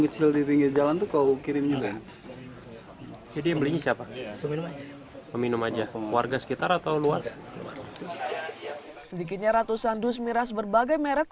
sedikitnya ratusan dus miras berbagai merek